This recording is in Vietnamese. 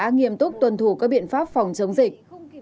thuộc các biện pháp phòng chống dịch